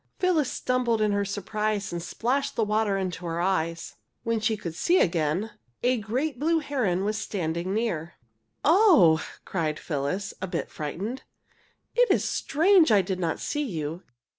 Phyllis stumbled in her surprise and splashed the water into her eyes. When she could see again, a great blue heron was standing near. "Oh!" cried Phyllis, a bit frightened. "It is strange that I did not see you.